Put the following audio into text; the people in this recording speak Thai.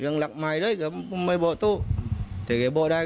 เรื่องรักมายเลยเคยไม่บอกทุกอย่าง